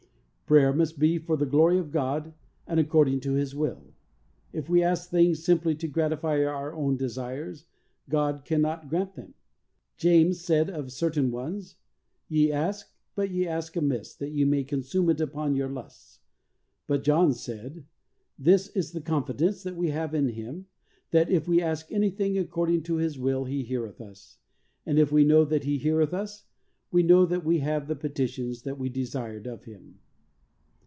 Prayer must be for the glory of God and according to His will. If we ask things simply to gratify our own desires, God cannot grant them. James said of certain ones, "Ye ask .... but ye ask amiss, that ye may consume it upon your lusts," but John said, "This is the confidence that we have in Him, that, if we ask anything according PRAYER. 25 to His will, He heareth us ; and if we know that He heareth us .... we know that we have the petitions that we desired of Him."